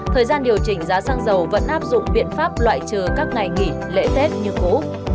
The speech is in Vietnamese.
thời gian điều chỉnh giá xăng dầu vẫn áp dụng biện pháp loại trừ các ngày nghỉ lễ tết như cũ